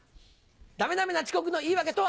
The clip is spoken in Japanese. ダメダメな遅刻の言い訳とは？